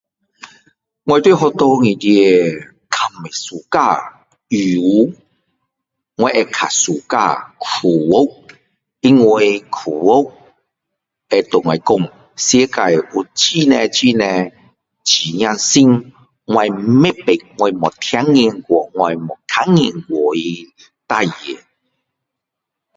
我在学校里面较没 suka 语文我会较 suka 科学因为科学会跟我说世界有很多很多真的是我不知道我没听过我没看见过的事情